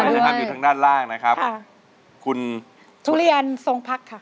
วันนี้มาด้วยอยู่ทางด้านล่างนะครับคุณทุเรียนทรงพรรคค่ะ